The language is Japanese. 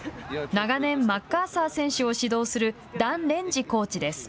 長年、マッカーサー選手を指導するダン・レンジコーチです。